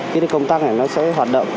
cái công tắc này nó sẽ hoạt động